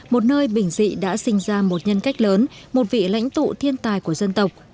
một nơi bình dị đã sinh ra một nhân cách lớn một vị lãnh tụ thiên tài của dân tộc